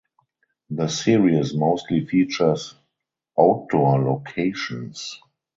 The series mostly features outdoor locations.